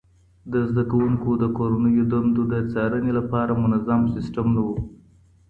د زده کوونکو د کورنیو دندو د څارنې لپاره منظم سیسټم نه و.